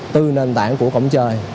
từ nền tảng của cổng trời